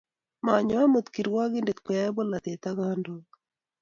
Manyo amut kirwangindet koyay polatet ak kandoik